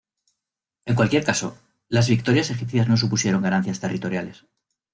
En cualquier caso, las victorias egipcias no supusieron ganancias territoriales.